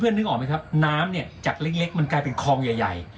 เพื่อนนึกออกไหมครับน้ำจากเล็กมันกลายเป็นคลองใหญ่